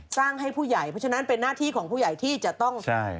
ให้ผู้ใหญ่เพราะฉะนั้นเป็นหน้าที่ของผู้ใหญ่ที่จะต้องใช่